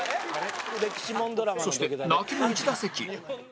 そして泣きの１打席